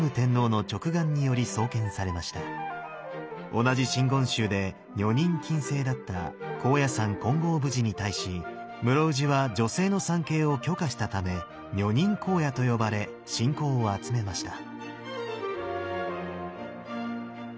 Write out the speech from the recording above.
同じ真言宗で女人禁制だった高野山金剛峰寺に対し室生寺は女性の参詣を許可したため女人高野と呼ばれ信仰を集めました。